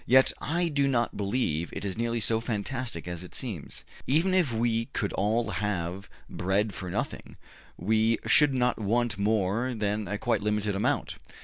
Yet I do not believe it is nearly so fantastic as it seems. Even if we could all have bread for nothing, we should not want more than a quite limited amount.